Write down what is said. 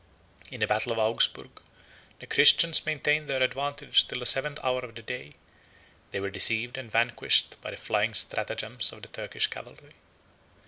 In the battle of Augsburgh the Christians maintained their advantage till the seventh hour of the day, they were deceived and vanquished by the flying stratagems of the Turkish cavalry.